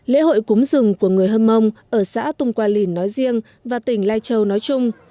lễ hội cúng rừng của người hâm mông ở xã tung qua lìn nói riêng và tỉnh lai châu nói chung